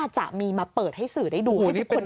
จะมีมาเปิดให้สื่อได้ดู